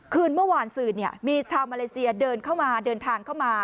คืนเมื่อวานสื่อมีชาวมาเลเซียเดินเข้ามาเดินทางเข้ามา